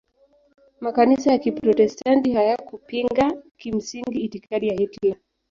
Makanisa ya Kiprotestanti hayakupinga kimsingi itikadi ya Hitler.